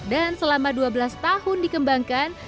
dan selama dua belas tahun dikembangkan